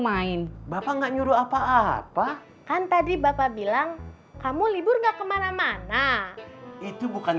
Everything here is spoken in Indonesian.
main bapak nggak nyuruh apa apa kan tadi bapak bilang kamu libur enggak kemana mana itu bukan